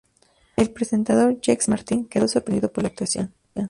El presentador Jacques Martin quedó sorprendido por la actuación.